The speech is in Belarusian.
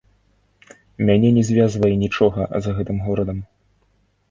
Мяне не звязвае нічога з гэтым горадам.